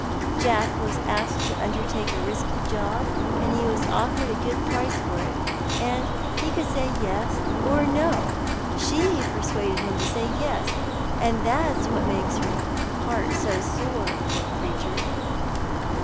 Jack was asked to undertake a risky job, and he was offered a good price for it — and he could say ' Yes,' or ' No.' She persuaded him to say ' Yes,' and that's what makes her heart so sore, poor creature."